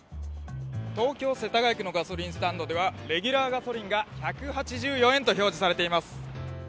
東京・世田谷区のガソリンスタンドでは、レギュラーガソリンが１８４円と表示されています。